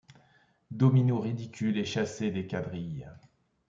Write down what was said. Domino ridicule et chassé des quadrilles